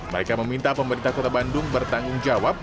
mereka meminta pemerintah kota bandung bertanggung jawab